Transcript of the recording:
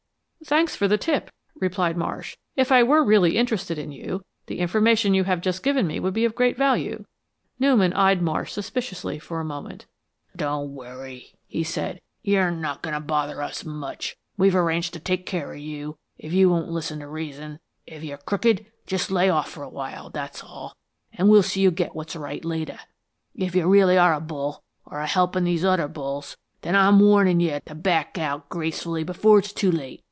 "Thanks for the tip," replied Marsh. "If I were really interested in you, the information you have just given me would be of great value." Newman eyed Marsh suspiciously for a moment. "Don't worry," he said. "You're not goin' to bother us much. We've arranged to take care of you, if you won't listen to reason. If you're crooked, just lay off for awhile, that's all, and we'll see you get what's right later. If you really are a bull, or are helpin' these other bulls, then I'm warnin' you to back out gracefully before it's too late.